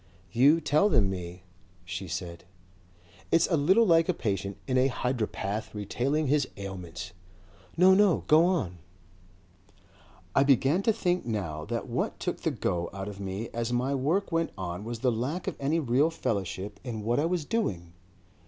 "You tell them me," she said. "It's a little like a patient in a hydropath retailing his ailments." "No. No. Go on." "I began to think now that what took the go out of me as my work went on was the lack of any real fellowship in what I was doing.